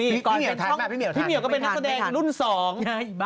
พี่เหมียช่องพี่เหมียวก็เป็นนักแสดงรุ่นสอง